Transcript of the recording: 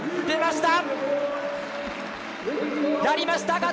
出ました！